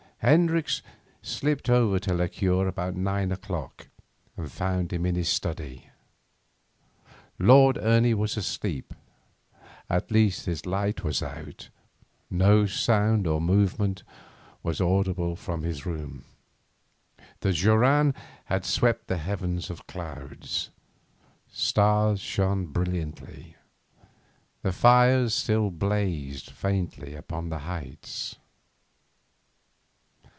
Hendricks slipped over to la cure about nine o'clock and found him in his study. Lord Ernie was asleep; at least his light was out, no sound or movement audible from his room. The joran had swept the heavens of clouds. Stars shone brilliantly. The fires still blazed faintly upon the heights.